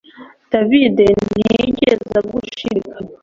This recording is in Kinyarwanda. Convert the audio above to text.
David ntiyigeze agushidikanya